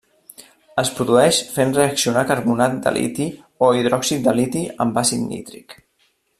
Es produeix fent reaccionar carbonat de liti o hidròxid de liti amb àcid nítric.